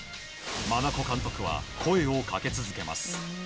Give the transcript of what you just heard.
真名子監督は声をかけ続けます。